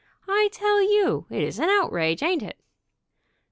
I tell you it is an outrage, ain't it?"